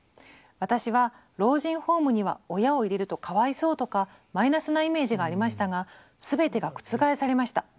「私は老人ホームには親を入れるとかわいそうとかマイナスなイメージがありましたが全てが覆されました。